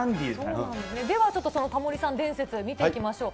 ではちょっとそのタモリさん伝説見ていきましょう。